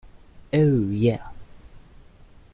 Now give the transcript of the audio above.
Oh Yeah!